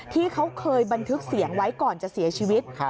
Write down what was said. ที่เขาเคยบันทึกเสียงไว้ก่อนจะเสียชีวิต